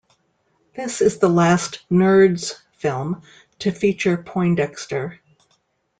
This is the last "Nerds" film to feature Poindexter.